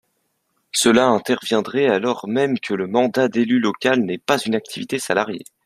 Cela interviendrait alors même que le mandat d’élu local n’est pas une activité salariée.